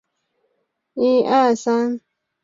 二年以江西星子县知县署理建昌府南丰县知县。